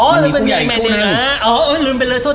มันมีคู่ใหญ่อีกคู่นะอ๋อลุ้นไปเลยโทษ